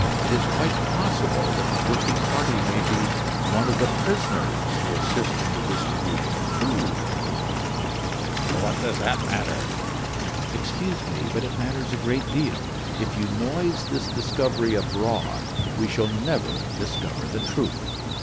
It is quite possible that the guilty party may be one of the prisoners who assist in the distribution of food every morning." "What does that matter?" "Excuse me, but it matters a great deal. If you noise this discovery abroad, we shall never discover the truth.